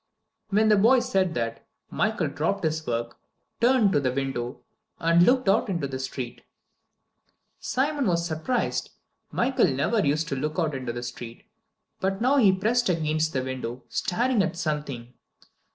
When the boy said that, Michael dropped his work, turned to the window, and looked out into the street. Simon was surprised. Michael never used to look out into the street, but now he pressed against the window, staring at something.